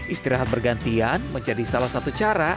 istirahat bergantian menjadi salah satu cara